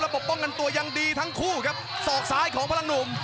บกป้องกันตัวยังดีทั้งคู่ครับศอกซ้ายของพลังหนุ่ม